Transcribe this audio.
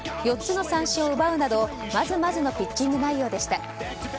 ４つの三振を奪うなどまずまずのピッチング内容でした。